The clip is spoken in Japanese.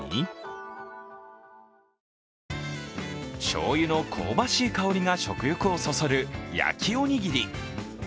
しょうゆの香ばしい香りが食欲をそそる焼きおにぎり。